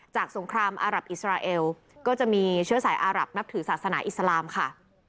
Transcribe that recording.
สงครามอารับอิสราเอลก็จะมีเชื้อสายอารับนับถือศาสนาอิสลามค่ะ